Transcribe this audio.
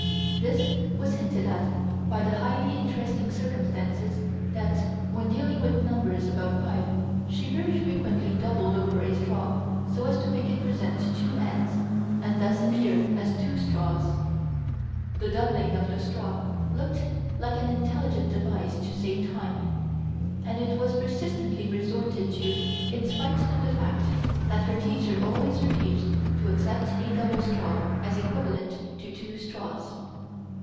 This was hinted at by the highly interesting circumstance that when dealing with numbers above five she very frequently doubled over a straw so as to make it present two ends and thus appear as two straws. The doubling of the straw looked like an intelligent device to save time, and it was persistently resorted to in spite of the fact that her teacher always refused to accept a doubled straw as equivalent to two straws.